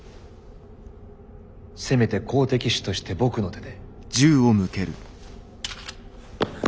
せめて好敵手として僕の手で。